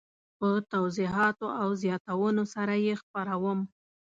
په توضیحاتو او زیاتونو سره یې خپروم.